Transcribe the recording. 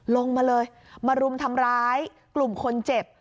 ลงมาเลยมารุมทำร้ายกลุ่มคนเจ็บ